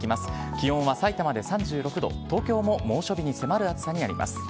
気温はさいたまで３６度、東京も猛暑日に迫る暑さになります。